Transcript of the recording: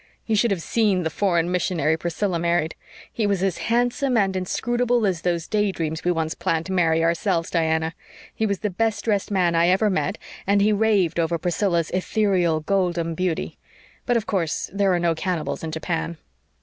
You should have seen the foreign missionary Priscilla married. He was as handsome and inscrutable as those daydreams we once planned to marry ourselves, Diana; he was the best dressed man I ever met, and he raved over Priscilla's 'ethereal, golden beauty.' But of course there are no cannibals in Japan."